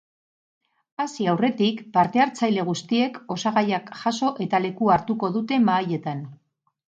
Hasi aurretik, parte-hartzaile guztiek osagaiak jaso eta lekua hartuko dute mahaietan.